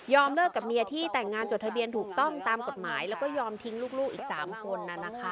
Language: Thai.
เลิกกับเมียที่แต่งงานจดทะเบียนถูกต้องตามกฎหมายแล้วก็ยอมทิ้งลูกอีก๓คน